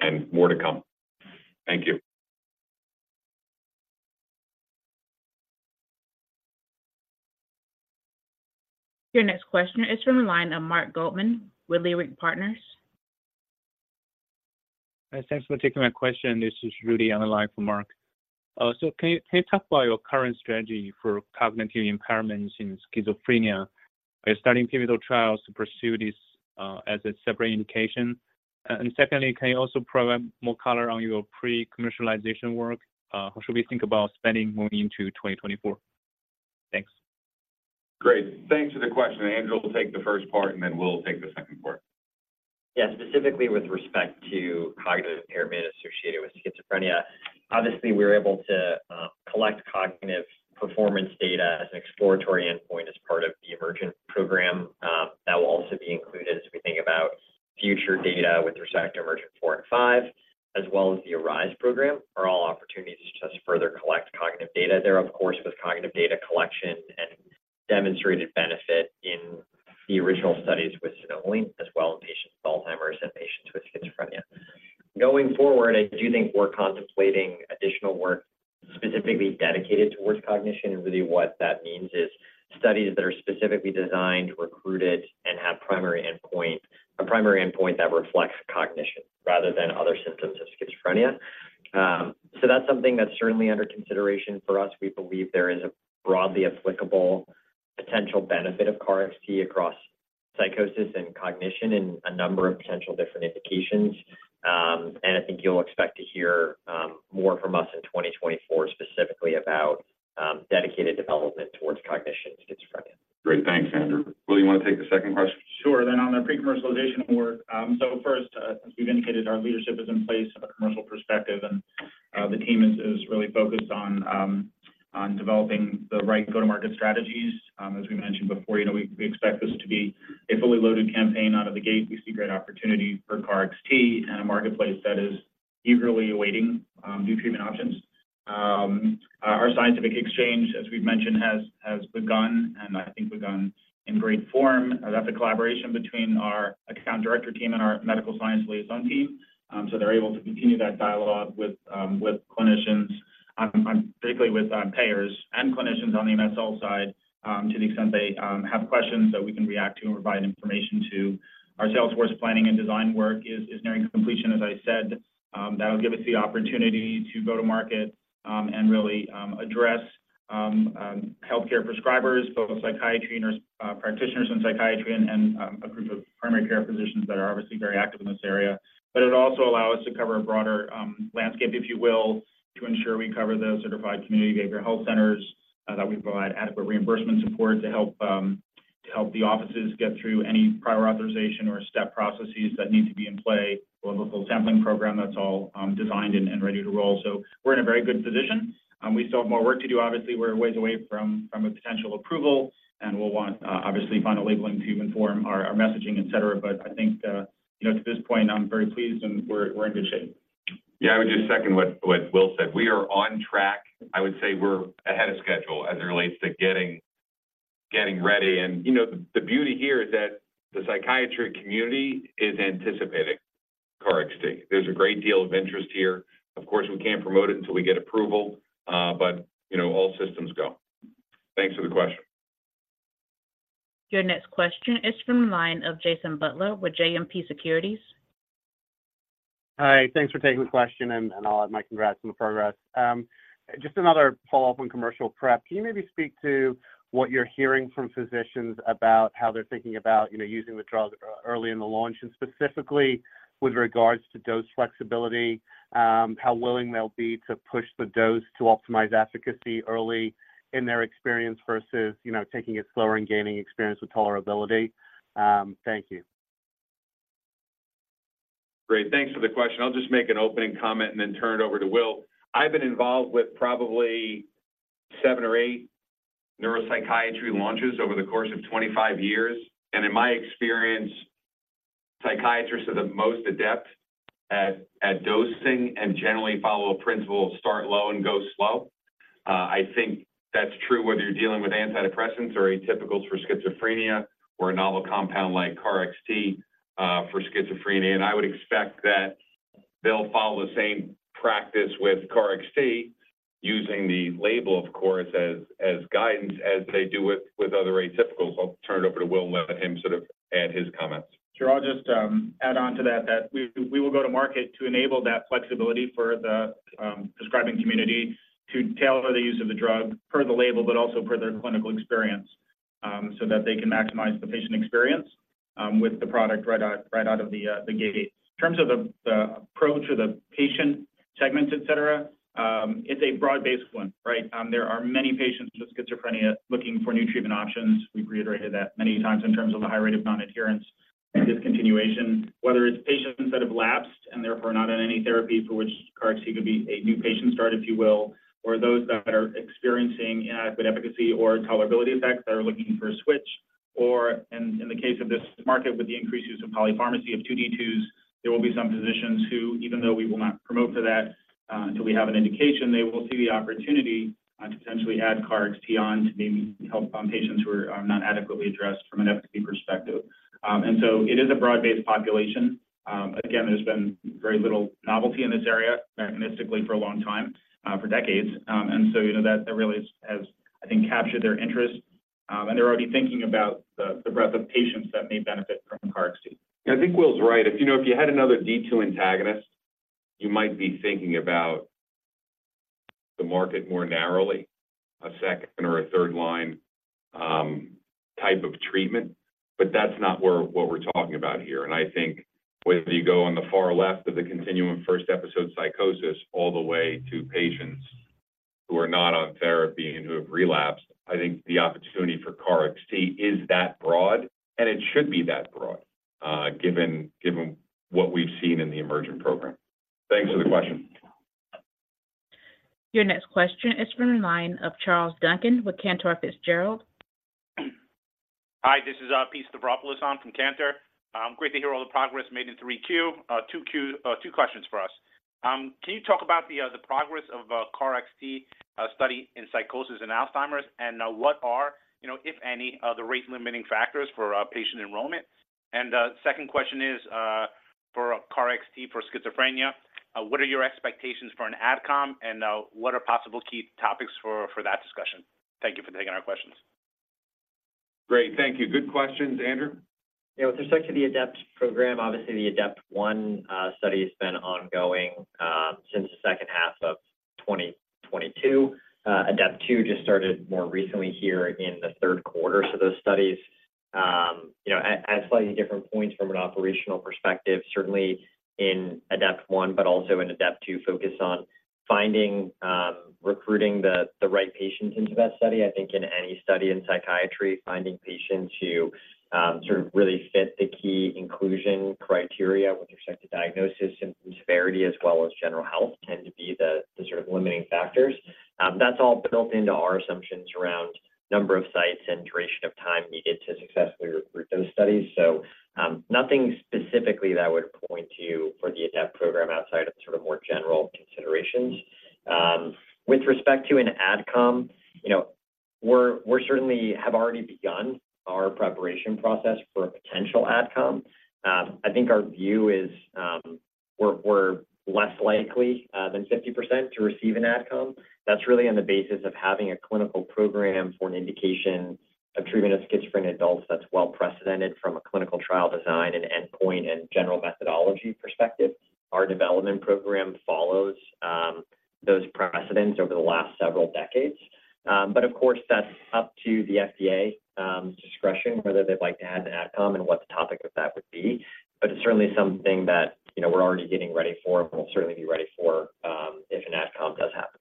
And more to come. Thank you. Your next question is from the line of Marc Goodman with Leerink Partners. Thanks for taking my question. This is Rudy on the line for Marc. So can you, can you talk about your current strategy for cognitive impairments in schizophrenia by starting pivotal trials to pursue this, as a separate indication? And secondly, can you also provide more color on your pre-commercialization work? How should we think about spending moving into 2024? Thanks. Great. Thanks for the question. Andrew will take the first part, and then Will take the second part. Yeah, specifically with respect to cognitive impairment associated with schizophrenia, obviously, we're able to collect cognitive performance data as an exploratory endpoint as part of the EMERGENT program. That will also be included as we think about future data with respect to EMERGENT-4 and EMERGENT-5, as well as the ARISE program, are all opportunities to just further collect cognitive data. There, of course, with cognitive data collection and demonstrated benefit in the original studies with xanomeline, as well in patients with Alzheimer's and patients with schizophrenia. Going forward, I do think we're contemplating additional work specifically dedicated towards cognition, and really what that means is studies that are specifically designed, recruited, and have primary endpoint, a primary endpoint that reflects cognition rather than other symptoms of schizophrenia. So that's something that's certainly under consideration for us. We believe there is a broadly applicable potential benefit of KarXT across psychosis and cognition in a number of potential different indications. I think you'll expect to hear more from us in 2024, specifically about dedicated development towards cognition in schizophrenia. Great. Thanks, Andrew. Will, you want to take the second question? Sure. Then on the pre-commercialization work, so first, as we've indicated, our leadership is in place from a commercial perspective, and, the team is really focused on developing the right go-to-market strategies. As we mentioned before, you know, we expect this to be a fully loaded campaign out of the gate. We see great opportunity for KarXT and a marketplace that is eagerly awaiting new treatment options. Our scientific exchange, as we've mentioned, has begun, and I think begun in great form. That's a collaboration between our account director team and our medical science liaison team. So they're able to continue that dialogue with clinicians, particularly with payers and clinicians on the MSL side, to the extent they have questions that we can react to and provide information to. Our sales force planning and design work is nearing completion, as I said. That'll give us the opportunity to go to market and really healthcare prescribers, both psychiatry nurse practitioners in psychiatry and a group of primary care physicians that are obviously very active in this area. But it also allow us to cover a broader landscape, if you will, to ensure we cover the certified community behavioral health centers that we provide adequate reimbursement support to help, to help the offices get through any prior authorization or step processes that need to be in play, or the sampling program that's all designed and ready to roll. So we're in a very good position. We still have more work to do. Obviously, we're ways away from a potential approval, and we'll want, obviously, final labeling to inform our messaging, et cetera. But I think, you know, to this point, I'm very pleased, and we're in good shape. Yeah, I would just second what Will said. We are on track. I would say we're ahead of schedule as it relates to getting ready. And, you know, the beauty here is that the psychiatry community is anticipating KarXT. There's a great deal of interest here. Of course, we can't promote it until we get approval, but, you know, all systems go. Thanks for the question. Your next question is from the line of Jason Butler with JMP Securities. Hi, thanks for taking the question, and I'll add my congrats on the progress. Just another follow-up on commercial prep. Can you maybe speak to what you're hearing from physicians about how they're thinking about, you know, using the drugs early in the launch, and specifically with regards to dose flexibility, how willing they'll be to push the dose to optimize efficacy early in their experience versus, you know, taking it slower and gaining experience with tolerability? Thank you. Great, thanks for the question. I'll just make an opening comment and then turn it over to Will. I've been involved with probably seven or eight neuropsychiatry launches over the course of 25 years, and in my experience, psychiatrists are the most adept at, at dosing and generally follow a principle of start low and go slow. I think that's true whether you're dealing with antidepressants or atypicals for schizophrenia or a novel compound like KarXT, for schizophrenia. And I would expect that they'll follow the same practice with KarXT, using the label, of course, as, as guidance as they do with, with other atypicals. I'll turn it over to Will and let him sort of add his comments. Sure. I'll just, add on to that, that we, we will go to market to enable that flexibility for the, prescribing community to tailor the use of the drug per the label, but also per their clinical experience, so that they can maximize the patient experience, with the product right out, right out of the, the gate. In terms of the, the approach or the patient segments, et cetera, it's a broad-based one, right? There are many patients with schizophrenia looking for new treatment options. We've reiterated that many times in terms of the high rate of non-adherence and discontinuation. Whether it's patients that have lapsed and therefore not on any therapy for which KarXT could be a new patient start, if you will, or those that are experiencing inadequate efficacy or tolerability effects that are looking for a switch, or in the case of this market, with the increased use of polypharmacy of two D2s, there will be some physicians who, even though we will not promote to that until we have an indication, they will see the opportunity to potentially add KarXT on to maybe help patients who are not adequately addressed from an efficacy perspective. And so it is a broad-based population. Again, there's been very little novelty in this area mechanistically for a long time, for decades. And so, you know, that really has, I think, captured their interest. And they're already thinking about the breadth of patients that may benefit from KarXT. I think Will's right. If, you know, if you had another D2 antagonist, you might be thinking about the market more narrowly, a second or a third line type of treatment, but that's not where what we're talking about here. I think whether you go on the far left of the continuum, first episode, psychosis, all the way to patients who are not on therapy and who have relapsed, I think the opportunity for KarXT is that broad, and it should be that broad, given what we've seen in the EMERGENT program. Thanks for the question. Your next question is from the line of Charles Duncan with Cantor Fitzgerald. Hi, this is, Pete Stavropoulos on from Cantor. Great to hear all the progress made in 3Q. Two questions for us. Can you talk about the progress of, KarXT study in psychosis and Alzheimer's? And, what are, you know, if any, are the rate-limiting factors for, patient enrollment? And, second question is, for KarXT, for schizophrenia, what are your expectations for an AdCom, and, what are possible key topics for, for that discussion? Thank you for taking our questions. Great. Thank you. Good questions, Andrew. Yeah. With respect to the ADEPT program, obviously, the ADEPT one study has been ongoing since the second half of 2022. ADEPT-2 just started more recently here in the third quarter. So those studies, you know, at slightly different points from an operational perspective, certainly in ADEPT-1, but also in ADEPT-2, focus on finding, recruiting the right patients into that study. I think in any study in psychiatry, finding patients who sort of really fit the key inclusion criteria with respect to diagnosis and severity, as well as general health, tend to be the sort of limiting factors. That's all built into our assumptions around number of sites and duration of time needed to successfully recruit those studies. So, nothing specifically that I would point to for the ADEPT program outside of sort of more general considerations. With respect to an AdCom, you know, we're, we certainly have already begun our preparation process for a potential AdCom. I think our view is, we're, we're less likely than 50% to receive an AdCom. That's really on the basis of having a clinical program for an indication of treatment of schizophrenic adults that's well precedented from a clinical trial design and endpoint and general methodology perspective. Our development program follows those precedents over the last several decades. But of course, that's up to the FDA discretion, whether they'd like to add an AdCom and what the topic of that would be. But it's certainly something that, you know, we're already getting ready for and will certainly be ready for, if an AdCom does happen.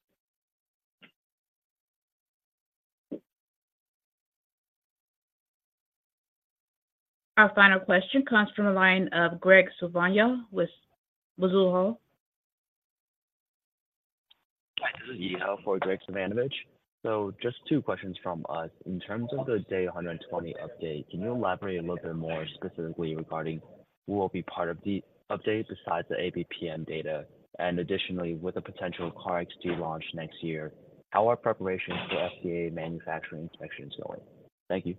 Our final question comes from a line of Graig Suvannavejh with Mizuho. Hi, this is Yi Ho for Graig Suvannavejh. So just two questions from us. In terms of the day 120 update, can you elaborate a little bit more specifically regarding who will be part of the update besides the ABPM data? And additionally, with the potential KarXT launch next year, how are preparations for FDA manufacturing inspections going? Thank you.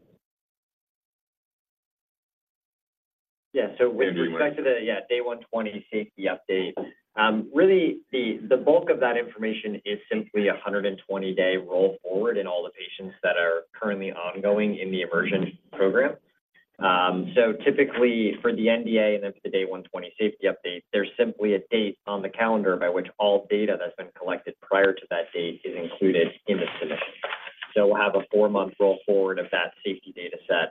Yeah. So with respect to the yeah day 120 safety update, really, the bulk of that information is simply a 120-day roll forward in all the patients that are currently ongoing in the EMERGENT program. So typically for the NDA and then for the day 120 safety update, there's simply a date on the calendar by which all data that's been collected prior to that date is included in the submission. So we'll have a four-month roll forward of that safety dataset,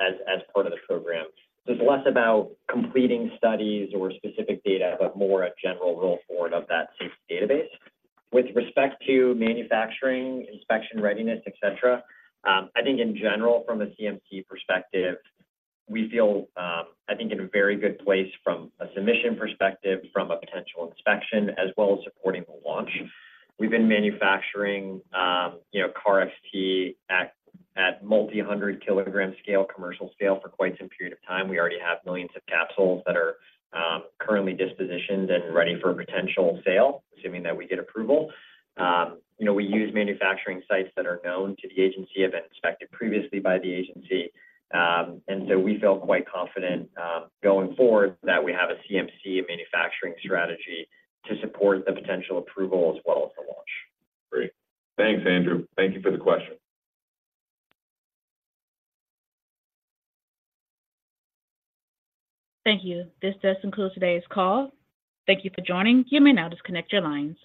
as part of the program. There's less about completing studies or specific data, but more a general roll forward of that safety database. With respect to manufacturing, inspection, readiness, et cetera, I think in general, from a CMC perspective, we feel, I think in a very good place from a submission perspective, from a potential inspection, as well as supporting the launch. We've been manufacturing, you know, KarXT at multi-hundred kilogram scale, commercial scale for quite some period of time. We already have millions of capsules that are currently dispositioned and ready for potential sale, assuming that we get approval. You know, we use manufacturing sites that are known to the agency, have been inspected previously by the agency. And so we feel quite confident going forward that we have a CMC manufacturing strategy to support the potential approval as well as the launch. Great. Thanks, Andrew. Thank you for the question. Thank you. This does concludes today's call. Thank you for joining. You may now disconnect your lines.